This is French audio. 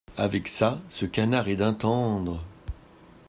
Avec ça, ce canard est d’un tendre…